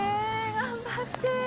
頑張って！